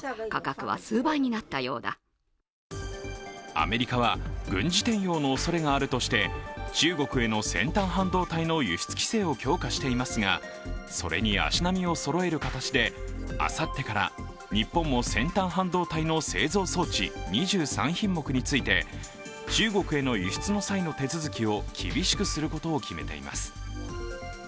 アメリカは軍事転用のおそれがあるとして中国への先端半導体の輸出規制を強化していますが、それに足並みをそろえる形であさってから日本も先端半導体の製造装置２３品目について、中国への輸出の際の手続きを厳しくすることを決めています。